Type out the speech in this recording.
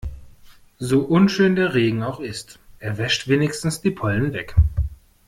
So unschön der Regen auch ist, er wäscht wenigstens die Pollen weg.